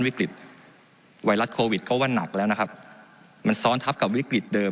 วิกฤตไวรัสโควิดก็ว่านักแล้วนะครับมันซ้อนทับกับวิกฤตเดิม